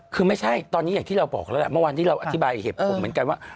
คือไม่ใช่ตอนนี้อย่างที่เราบอกแล้วล่ะเมื่อวานที่เราอธิบายเหตุผลเหมือนกันว่า